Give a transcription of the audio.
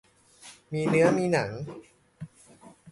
มีเนื้อมีหนัง